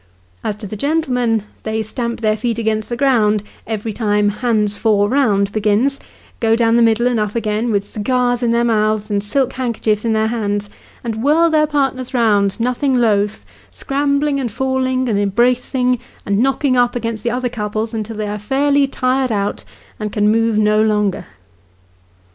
As to the gentlemen, they stamp their feet against the ground, every time " hands four round " begins, go down the middle and up again, with cigars in their mouths, and silk handkerchiefs in their hands, and whirl their partners round, nothing loth, scrambling and falling, and embracing, and knocking up against the other couples, until they arc fairly tired out, and can move no longer.